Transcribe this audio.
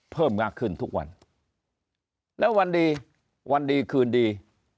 เพิ่มมากขึ้นทุกวันแล้ววันดีวันดีคืนดี